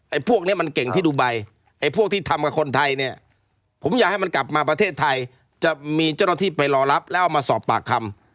พวกนี้มันเก่งที่ดูไบไอ้พวกที่ทำกับคนไทยเนี่ยผมอยากให้มันกลับมาประเทศไทยจะมีเจ้าหน้าที่ไปรอรับแล้วเอามาสอบปากคำ